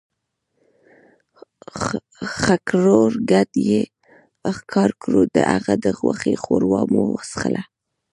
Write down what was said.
ښکرور ګډ ئې ښکار کړو، د هغه د غوښې ښوروا مو وڅښله